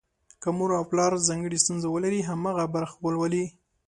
که مور او پلار ځانګړې ستونزه ولري، هماغه برخه ولولي.